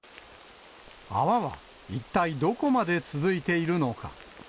泡は一体どこまで続いているのか。